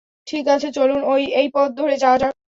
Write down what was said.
ঠিক আছে চলুন এই পথ ধরে যাওয়া যাক।